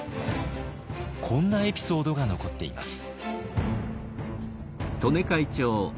こんなエピソードが残っています。